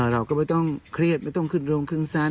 เราก็ไม่ต้องเครียดไม่ต้องขึ้นลงครึ่งซ้าน